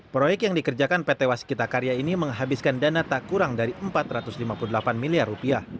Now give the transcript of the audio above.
proyek yang dikerjakan pt waskita karya ini menghabiskan dana tak kurang dari rp empat ratus lima puluh delapan miliar